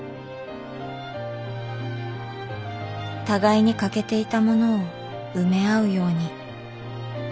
互いに欠けていたものを埋め合うように。